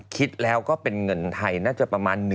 คิดแล้วก็เป็นเงินไทยน่าจะประมาณ